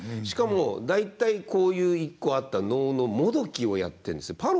しかも大体こういう一個あった能のもどきをやってるんですよ。